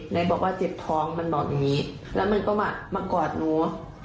ไหนบอกว่าเจ็บท้องมันบอกอย่างนี้แล้วมันก็มากอดหนู